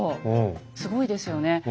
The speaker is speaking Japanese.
すごいですよね。